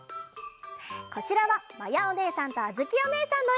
こちらはまやおねえさんとあづきおねえさんのえ！